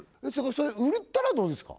それ売ったらどうですか？